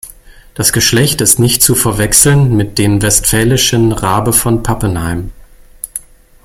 Das Geschlecht ist nicht zu verwechseln mit den westfälischen Rabe von Pappenheim.